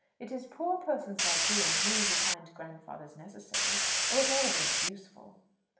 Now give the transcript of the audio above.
It is poor persons like you and me who find grandfathers necessary or, at all events, useful."